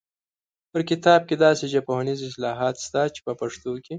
په کتاب کې داسې ژبپوهنیز اصطلاحات شته چې په پښتو کې